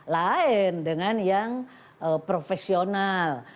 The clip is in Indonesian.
lain dengan yang profesional